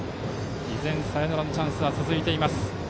依然、サヨナラのチャンスが続きます。